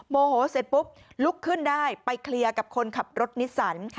โมโหเสร็จปุ๊บลุกขึ้นได้ไปเคลียร์กับคนขับรถนิสสัน